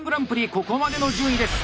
ここまでの順位です。